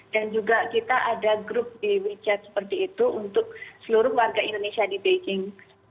dan juga kita ada grup di wechat seperti itu untuk seluruh warga indonesia di beijing